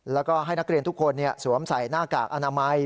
แล้วก็ให้นักเรียนทุกคนสวมใส่หน้ากากอนามัย